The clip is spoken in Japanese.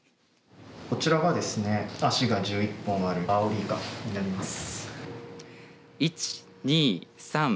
こちらがですね、あすが１１本あるアオリイカになります。